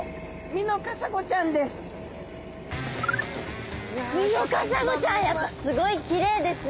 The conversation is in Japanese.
ミノカサゴちゃんやっぱすごいきれいですね。